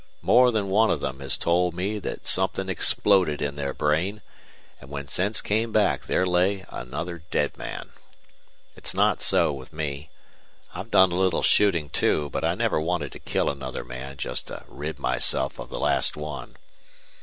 More than one of them have told me that something exploded in their brain, and when sense came back there lay another dead man. It's not so with me. I've done a little shooting, too, but I never wanted to kill another man just to rid myself of the last one.